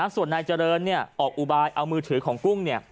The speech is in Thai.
ส่วนนายเจริญออกอุบายเอามือถือของกุ้ง